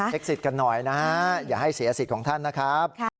สิทธิ์กันหน่อยนะฮะอย่าให้เสียสิทธิ์ของท่านนะครับ